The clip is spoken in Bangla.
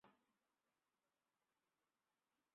কিন্তু ঘটনায় সরকারের কোনো নড়াচড়া নেই, সেটা দেখতে ভালো লাগছে না।